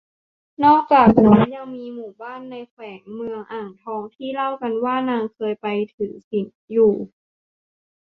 นอกจากนั้น ยังมีหมู่บ้านในแขวงเมืองอ่างทองที่เล่ากันว่านางเคยไปถือศีลอยู่